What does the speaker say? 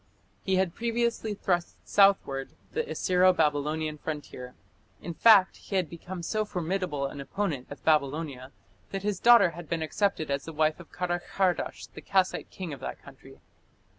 He had previously thrust southward the Assyro Babylonian frontier. In fact, he had become so formidable an opponent of Babylonia that his daughter had been accepted as the wife of Karakhardash, the Kassite king of that country.